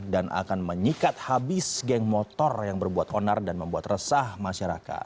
dan akan menyikat habis geng motor yang berbuat onar dan membuat resah masyarakat